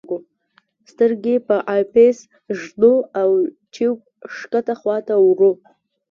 سترګې په آی پیس ږدو او ټیوب ښکته خواته وړو.